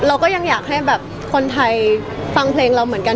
เราก็ยังอยากให้แบบคนไทยฟังเพลงเราเหมือนกัน